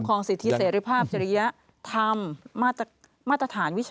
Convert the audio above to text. ปฮิมคลองสิทธิเสริภาพแจรียธรรมมาตรฐานวิชาชีพ